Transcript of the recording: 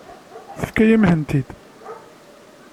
Tefkam-iyi-ten-id.